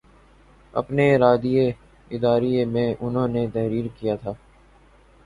اپنے اداریئے میں انہوں نے تحریر کیا تھا